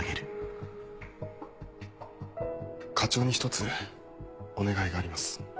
課長に１つお願いがあります。